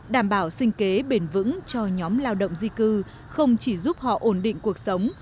đảm bảo sinh kế bền vững cho nhóm lao động di cư không chỉ giúp họ ổn định cuộc sống